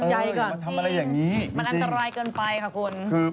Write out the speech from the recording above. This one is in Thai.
ขึ้นมาทำอะไรเตรียมเกิน